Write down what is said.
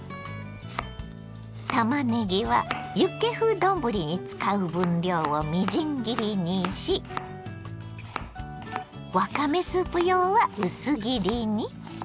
たまねぎはユッケ風丼に使う分量をみじん切りにしわかめスープ用は薄切りに。